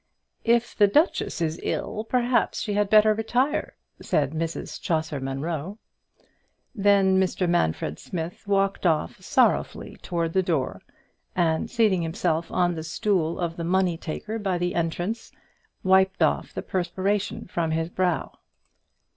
"If the duchess is ill, perhaps she had better retire," said Mrs Chaucer Munro. Then Mr Manfred Smith walked off sorrowfully towards the door, and seating himself on the stool of the money taker by the entrance, wiped off the perspiration from his brow.